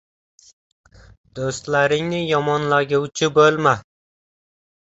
— Do‘stlaringni yomonlaguvchi bo‘lma.